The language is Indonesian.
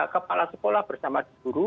kepala sekolah bersama guru